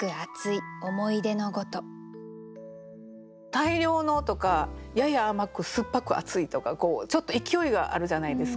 「大量の」とか「やや甘く酸っぱく熱い」とかちょっと勢いがあるじゃないですか。